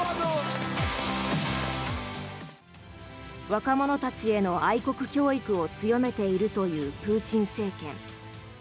若者たちへの愛国教育を強めているというプーチン政権。